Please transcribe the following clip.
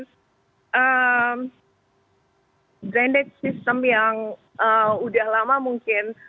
sistem berdendam yang sudah lama mungkin